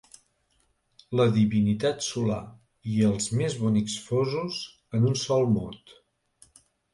La divinitat solar i els més bonics fosos en un sol mot.